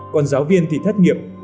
còn giáo viên thì thất nghiệp